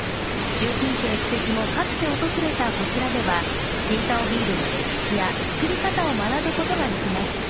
習近平主席もかつて訪れたこちらでは青島ビールの歴史や作り方を学ぶことができます。